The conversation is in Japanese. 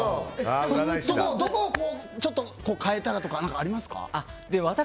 どこを変えたらとかありますか。